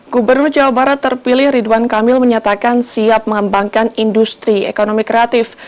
gubernur jawa barat terpilih ridwan kamil menyatakan siap mengembangkan industri ekonomi kreatif